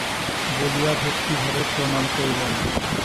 বলিয়া ভক্তিভরে প্রণাম করিলেন।